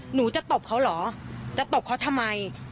หนูจะตบเขาเหรอจะตบเขาทำไม